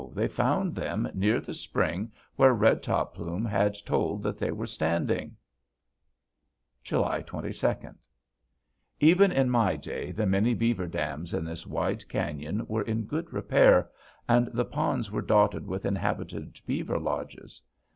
they found them near the spring where Red Top Plume had told that they were standing." July 22. Even in my day the many beaver dams in this wide canyon were in good repair, and the ponds were dotted with inhabited beaver lodges.